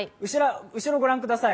後ろ、ご覧ください。